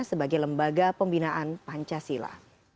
sebagai lembaga pembinaan pancasila